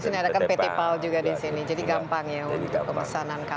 di sini ada kan pt pal juga di sini jadi gampang ya untuk pemesanan